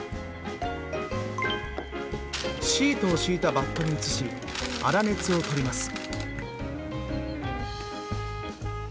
シートを敷いたバットに移し粗熱を取ります。